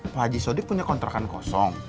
pak haji sodik punya kontrakan kosong